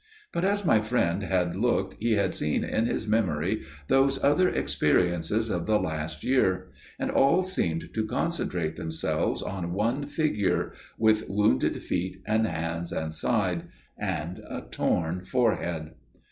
But as my friend had looked he had seen in his memory those other experiences of the last year. And all seemed to concentrate themselves on one Figure––with wounded feet and hands and side––and a torn forehead.